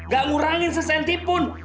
gak ngurangin sesentipun